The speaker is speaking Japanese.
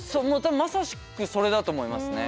まさしくそれだと思いますね。